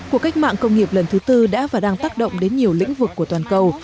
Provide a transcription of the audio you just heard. cuộc cách mạng công nghiệp lần thứ tư đã và đang tác động đến nhiều lĩnh vực của toàn cầu